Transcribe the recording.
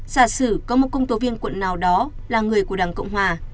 giả sử có một công tố viên quận nào đó là người của đảng cộng hòa